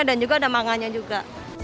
dan juga ada manganya juga